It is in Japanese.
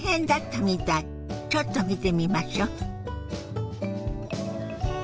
ちょっと見てみましょ。